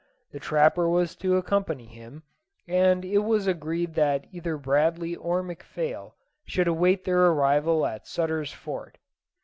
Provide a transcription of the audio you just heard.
The trapper was to accompany him, and it was agreed that either Bradley or McPhail should await their arrival at Sutter's Fort.